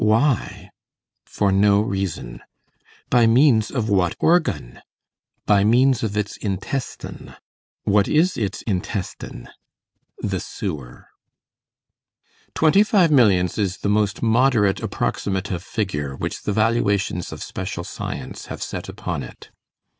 Why? For no reason. By means of what organ? By means of its intestine. What is its intestine? The sewer. Twenty five millions is the most moderate approximative figure which the valuations of special science have set upon it.